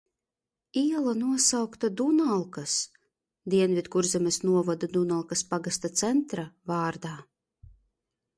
Iela nosaukta Dunalkas – Dienvidkurzemes novada Dunalkas pagasta centra – vārdā.